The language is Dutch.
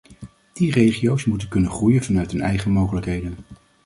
Die regio's moeten kunnen groeien vanuit hun eigen mogelijkheden.